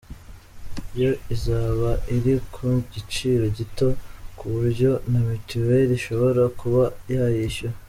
Yo izaba iri ku giciro gito ku buryo na mitiweli ishobora kuba yayishyura.